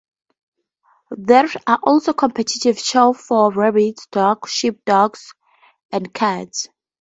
There are also competitive shows for rabbits, dogs, sheepdogs, and cats.